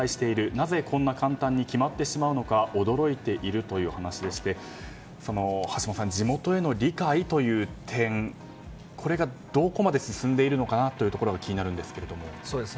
なぜこんなに簡単に決まってしまうのか驚いているということでして橋下さん、地元への理解という点これがどこまで進んでいるのかなというところが気になるんですけども。